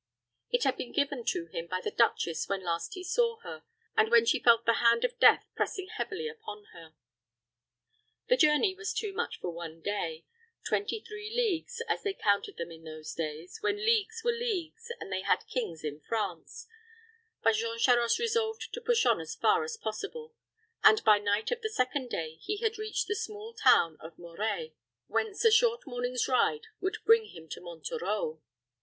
It had been given to him by the duchess when last he saw her, and when she felt the hand of death pressing heavily upon her. The journey was too much for one day twenty three leagues, as they counted them in those days, when leagues were leagues, and they had kings in France but Jean Charost resolved to push on as fast as possible; and by night of the second day he had reached the small town of Moret, whence a short morning's ride would bring him to Monterreau.